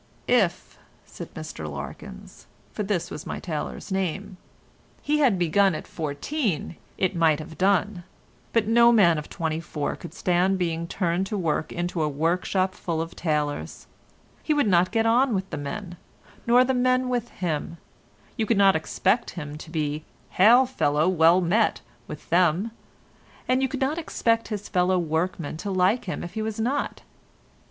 "If," said Mr Larkins, for this was my tailor's name, "he had begun at fourteen, it might have done, but no man of twenty four could stand being turned to work into a workshop full of tailors; he would not get on with the men, nor the men with him; you could not expect him to be 'hail fellow, well met' with them, and you could not expect his fellow workmen to like him if he was not.